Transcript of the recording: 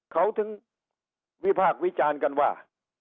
เขาถึงวิพากษ์วิจารณ์กันว่า